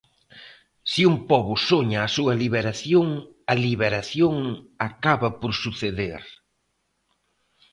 Se un pobo soña a súa liberación, a liberación acaba por suceder.